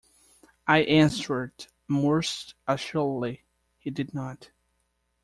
I answered, most assuredly he did not.